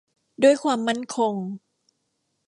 ด้วยความมั่นคง